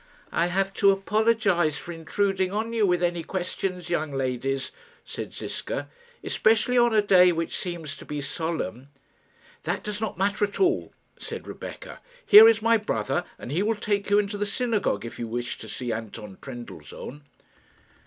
"I have to apologise for intruding on you with any questions young ladies," said Ziska; "especially on a day which seems to be solemn." "That does not matter at all," said Rebecca. "Here is my brother, and he will take you into the synagogue if you wish to see Anton Trendellsohn."